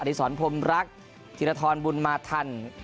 อธิสรพรมรักษ์ธิรฐรบุรมาธรรม